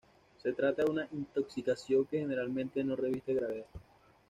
Se trata de una intoxicación que generalmente no reviste gravedad.